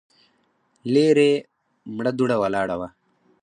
ليرې مړه دوړه ولاړه وه.